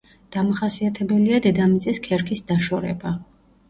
დამახასიათებელია დედამიწის ქერქის დაშორება.